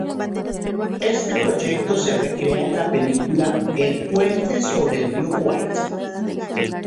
Este proyecto se recrea en la película "El puente sobre el río Kwai".